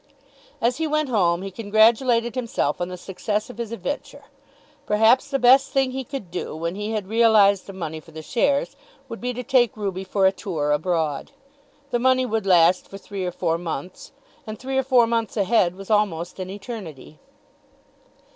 As he went home he congratulated himself on the success of his adventure. Perhaps the best thing he could do when he had realised the money for the shares would be to take Ruby for a tour abroad. The money would last for three or four months, and three or four months ahead was almost an eternity.